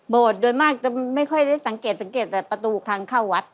โดยมากจะไม่ค่อยได้สังเกตสังเกตแต่ประตูทางเข้าวัด